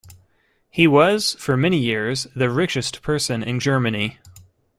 He was for many years the richest person in Germany.